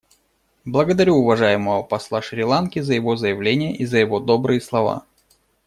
Благодарю уважаемого посла Шри-Ланки за его заявление и за его добрые слова.